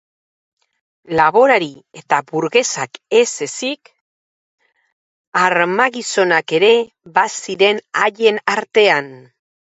Laborari eta burgesak ez ezik, armagizonak ere baziren haien artean.